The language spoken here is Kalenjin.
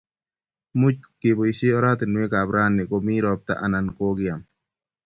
Much keboishee oratinwek ab rani komii ropta anan kokiyam